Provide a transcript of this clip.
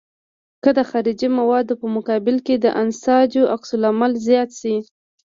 که د خارجي موادو په مقابل کې د انساجو عکس العمل زیات شي.